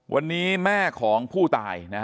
วันนี้แม่ของผู้ตาย